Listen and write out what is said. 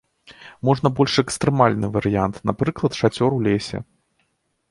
Можна больш экстрэмальны варыянт, напрыклад, шацёр у лесе.